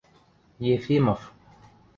– Ефимов...